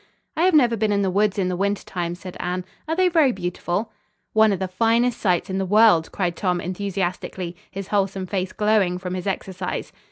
"I have never been in the woods in the winter time," said Anne. "Are they very beautiful?" "One of the finest sights in the world," cried Tom enthusiastically, his wholesome face glowing from his exercise.